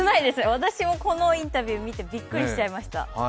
私もこのインタビュー見て、びっくりしました。